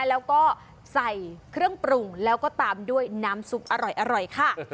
แล้วก็ใส่เครื่องปรุงแล้วก็ตามด้วยน้ำซุปอร่อยค่ะ